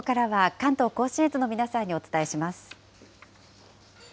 関東甲信越の皆さんにお伝えします。